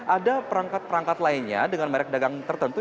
ada perangkat perangkat lainnya dengan merek dagang tertentu